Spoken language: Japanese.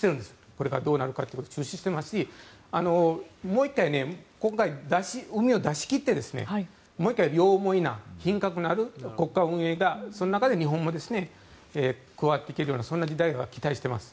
これからどうなるかということを注視していますしもう１回、今回うみを出し切ってもう１回、両思いな品格のある、国家運営がその中で日本も加わっていけるようなそんな時代に期待しています。